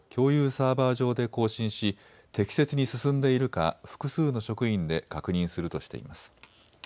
サーバ上で更新し適切に進んでいるか複数の職員で確認するとしています。